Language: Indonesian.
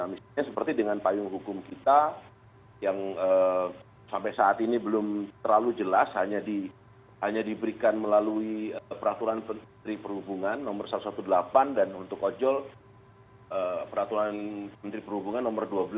misalnya seperti dengan payung hukum kita yang sampai saat ini belum terlalu jelas hanya diberikan melalui peraturan menteri perhubungan nomor satu ratus delapan belas dan untuk ojol peraturan menteri perhubungan nomor dua belas